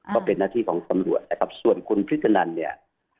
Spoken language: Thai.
ก็เป็นหน้าที่ของตำรวจนะครับส่วนคุณพฤตนันเนี่ย